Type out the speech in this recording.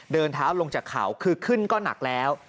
เดินเท้าลงจากเขาคือขึ้นก็หนักแล้ว